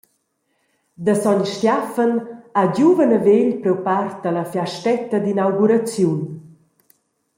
Da Sogn Stiafen ha giuven e vegl priu part alla fiastetta d’inauguraziun.